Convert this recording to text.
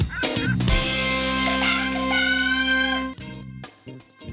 อังกฤษ